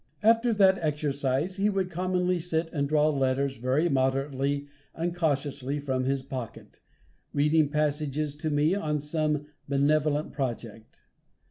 After that exercise he would commonly sit and draw letters very moderately and cautiously from his pocket, reading passages to me on some benevolent project.